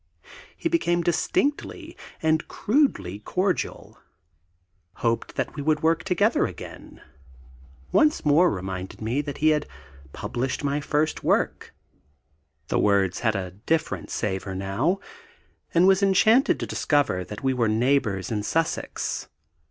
He became distinctly and crudely cordial hoped that we should work together again; once more reminded me that he had published my first book (the words had a different savour now), and was enchanted to discover that we were neighbours in Sussex.